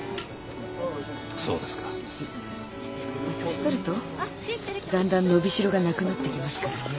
年取るとだんだん伸び代がなくなってきますからね。